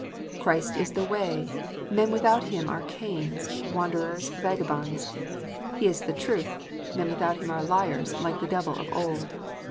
" Christ is the ivay : men without Him are Cains, wanderers, vagabonds. He is the truth : men without Him are liars, like the devil of old.